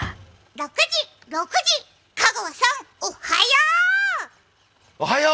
６時、６時、香川さん、おはよう！